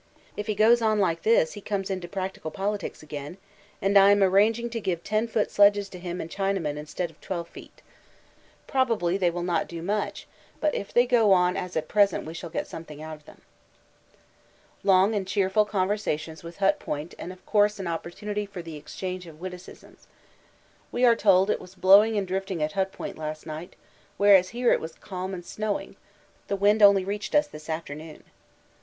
If he goes on like this he comes into practical politics again, and I am arranging to give 10 feet sledges to him and Chinaman instead of 12 feet. Probably they will not do much, but if they go on as at present we shall get something out of them. Long and cheerful conversations with Hut Point and of course an opportunity for the exchange of witticisms. We are told it was blowing and drifting at Hut Point last night, whereas here it was calm and snowing; the wind only reached us this afternoon.